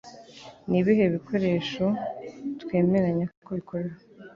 Ni ibihe bikoresho twemeranya ko bikora